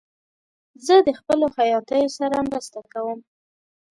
زه د خپلو خیاطیو سره مرسته کوم.